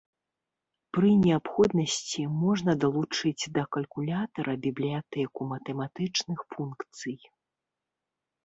Пры неабходнасці можна далучыць да калькулятара бібліятэку матэматычных функцый.